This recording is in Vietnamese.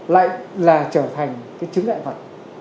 lại là trở thành chứng ngại vật